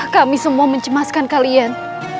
kami semua mencemaskan kalian